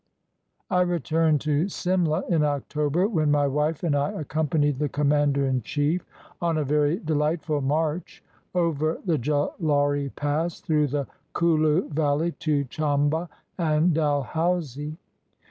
I returned to Simla in October, when my wife and I accompanied the commander in chief on a very delight ful march over the Jalauri Pass through the Kulu Val ley to Chamba and Dalhousie.